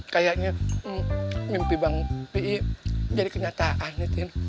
kayaknya mimpi bang pih jadi kenyataan ya tini